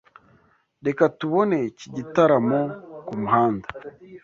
Reka tubone iki gitaramo kumuhanda.